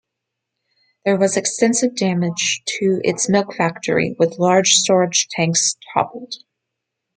There was extensive damage to its milk factory, with large storage tanks toppled.